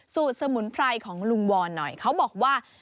สมุนไพรของลุงวอนหน่อยเขาบอกว่า